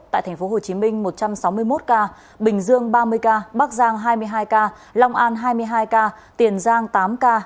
tại tp hcm một trăm sáu mươi một ca bình dương ba mươi ca bắc giang hai mươi hai ca long an hai mươi hai ca tiền giang tám ca